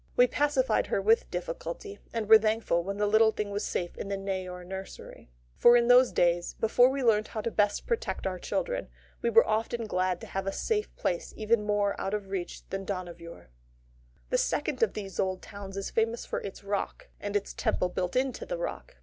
We pacified her with difficulty, and were thankful when the little thing was safe in the Neyoor nursery. For in those days, before we learned how best to protect our children, we were often glad to have some place even more out of reach than Dohnavur. The second of these old towns is famous for its rock, and its Temple built into the rock.